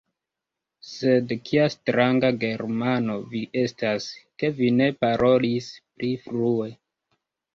Sed kia stranga Germano vi estas, ke vi ne parolis pli frue!